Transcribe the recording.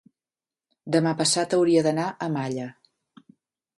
demà passat hauria d'anar a Malla.